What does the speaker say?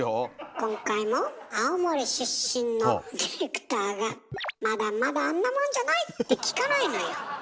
今回も青森出身のディレクターが「まだまだあんなもんじゃない！」って聞かないのよ。